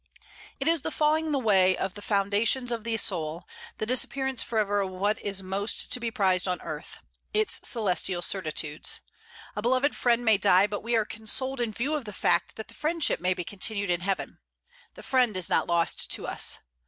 It is the falling away of the foundations of the soul, the disappearance forever of what is most to be prized on earth, its celestial certitudes. A beloved friend may die, but we are consoled in view of the fact that the friendship may be continued in heaven: the friend is not lost to us.